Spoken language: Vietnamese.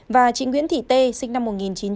và chị nguyễn thị tê sinh năm một nghìn chín trăm tám mươi